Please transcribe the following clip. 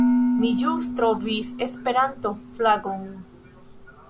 Mi ĵus trovis Esperanto-flagon...